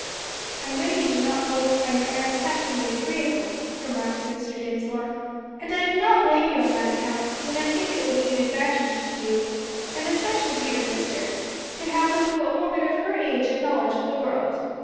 "I know you do not always find your aunt's company agreeable," remarked Mr. Dinsmore, "and I do not blame you on that account, yet I think it will be an advantage to you, and especially to your sister, to have with you a woman of her age and knowledge of the world.